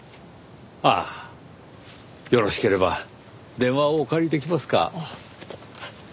ああよろしければ電話をお借りできますか？